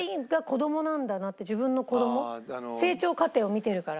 成長過程を見てるから。